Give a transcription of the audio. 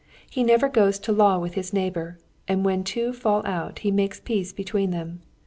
He never goes to law with his neighbour, and when two fall out he makes peace between them.